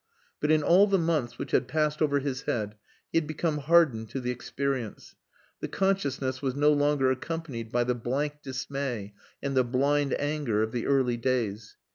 But in all the months which had passed over his head he had become hardened to the experience. The consciousness was no longer accompanied by the blank dismay and the blind anger of the early days.